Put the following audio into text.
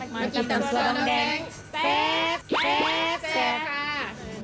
มากินตำสั่วด้องแดง